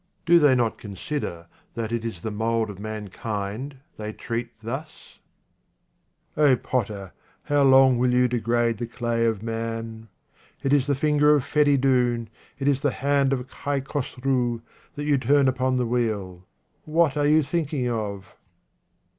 Do they not consider that it is the mould of mankind they treat thus ? O POTTER, how long will you degrade the clay of man ? It is the finger of Feridoun, it is the hand of Kai Khosrou, that you turn upon the wheel. What are you thinking of